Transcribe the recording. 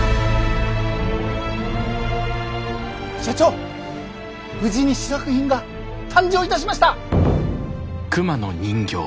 社長無事に試作品が誕生いたしました。